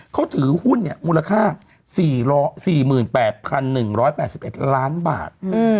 เขาถือหุ้นมูลค่า๔๘๑๘๑ล้านบาท